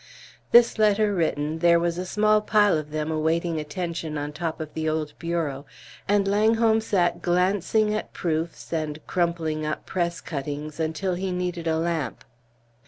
This letter written, there was a small pile of them awaiting attention on top of the old bureau; and Langholm sat glancing at proofs and crumpling up press cuttings until he needed a lamp.